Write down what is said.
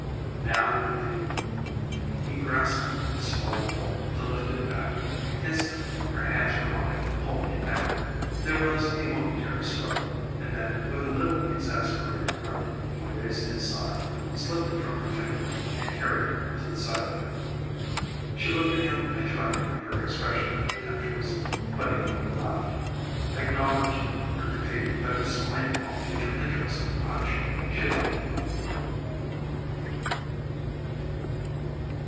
"Now, Evie " He grasped the smaller bowl to lift it back. Instantly her hands were on it, holding it down. There was a momentary struggle, and then, with a little exasperated grunt, he raised his side, slipped it from her fingers, and carried it to the sideboard. She looked at him and tried to make her expression contemptuous, but he only laughed. Acknowledging her defeat but disclaiming all future interest in the punch, she left the room.